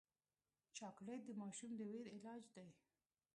چاکلېټ د ماشوم د ویرې علاج دی.